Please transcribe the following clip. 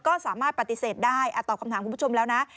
ก็สามารถปฏิเสธได้ตอบคำถามคุณผู้ชมแล้วนะ